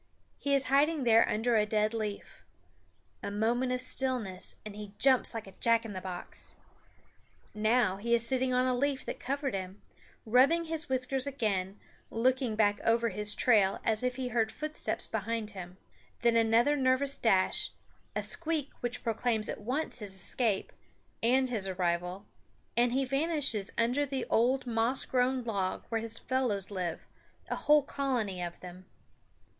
He is hiding there under a dead leaf. A moment of stillness and he jumps like a jack in abox. Now he is sitting on the leaf that covered him, rubbing his whiskers again, looking back over his trail as if he heard footsteps behind him. Then another nervous dash, a squeak which proclaims at once his escape, and his arrival, and he vanishes under the old moss grown log where his fellows live, a whole colony of them.